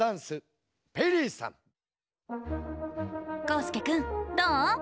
こうすけくんどう？